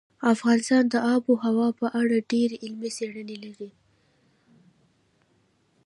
افغانستان د آب وهوا په اړه ډېرې علمي څېړنې لري.